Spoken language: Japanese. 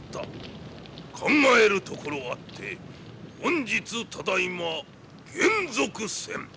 考えるところあって本日ただいま還俗せん。